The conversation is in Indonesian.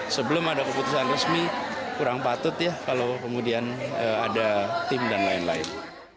sebelum ada keputusan resmi kurang patut ya kalau kemudian ada tim dan lain lain